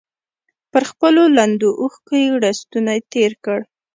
پر خپلو لندو سترګو يې لستوڼۍ تېر کړ.